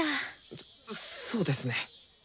そそうですね。